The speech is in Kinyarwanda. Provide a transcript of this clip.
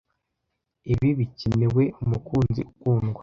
ibi bikenewe umukunzi ukundwa